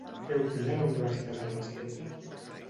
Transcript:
Què opina la universitat al respecte?